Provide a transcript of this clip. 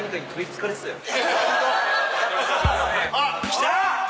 来た！